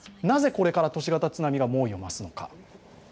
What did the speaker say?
なぜこれから都市型津波が猛威を増すのか。